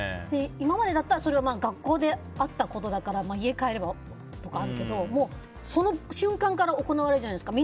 今までだったらそれは学校であったことだから家帰ればとかあるけどその瞬間から行われるじゃないですか。